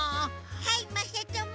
はいまさとも。